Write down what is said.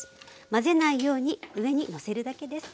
混ぜないように上にのせるだけです。